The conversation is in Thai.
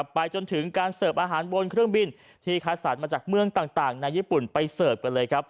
ไปจนถึงการเสิร์ฟอาหารบนเครื่องบินที่คัดสรรมาจากเมืองต่างในญี่ปุ่นไปเสิร์ฟกันเลยครับ